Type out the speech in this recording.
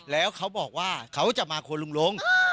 แล้วเขาบอกว่าเขาจะมาควรลุงลง